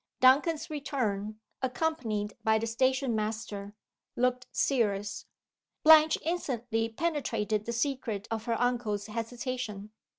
Duncan's return, accompanied by the station master, looked serious. Blanche instantly penetrated the secret of her uncle's hesitation.